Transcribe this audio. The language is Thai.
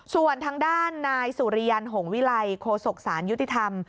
ส่วนทางด้านนายสุริยันหงวิลัยโคศกสารยุติธรรม